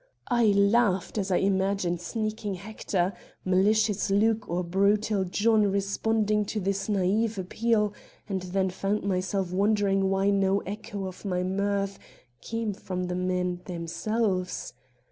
I laughed as I imagined sneaking Hector, malicious Luke or brutal John responding to this naïve appeal, and then found myself wondering why no echo of my mirth came from the men themselves.